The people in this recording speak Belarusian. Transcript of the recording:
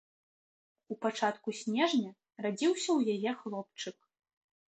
У пачатку снежня радзіўся ў яе хлопчык.